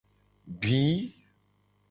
Gbi.